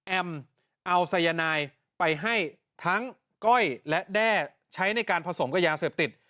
แอมเอาสายนายไปให้ทั้งก้อยและแด้ใช้ในการผสมกับยาเสพติด